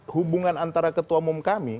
hubungan antara ketua umum kami